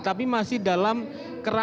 tapi masih dalam perkembangan yang berlaku